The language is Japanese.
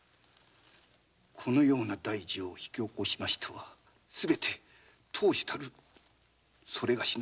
このような大事をひき起こしましたはすべて当主たるそれがしの落度。